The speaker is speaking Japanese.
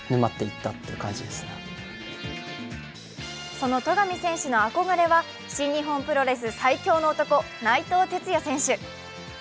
その戸上選手の憧れは新日本プロレス最強の男、内藤哲也選手。